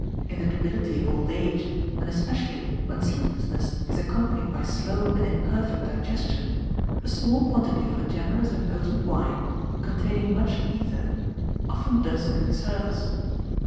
In the debility of old age, and especially when sleeplessness is accompanied by slow and imperfect digestion, a small quantity of a generous and potent wine, containing much ether, often does good service.